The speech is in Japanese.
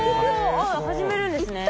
あ始めるんですね。